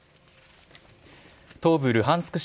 東部ルハンスク